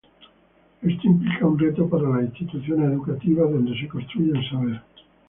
Esto implica un reto para las instituciones educativas donde se construye el saber.